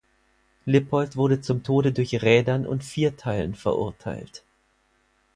Lippold wurde zum Tode durch Rädern und Vierteilen verurteilt.